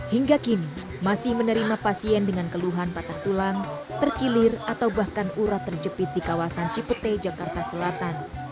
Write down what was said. hingga kini masih menerima pasien dengan keluhan patah tulang terkilir atau bahkan urat terjepit di kawasan cipete jakarta selatan